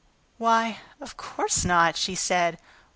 "Why, of course not," she said.